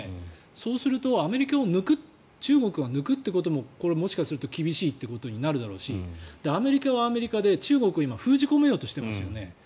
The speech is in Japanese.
そうするとアメリカを中国が抜くということもこれはもしかしたら厳しいということになるだろうしアメリカはアメリカで中国を今封じ込めようとしていますよね。